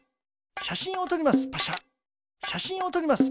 しゃしんをとります。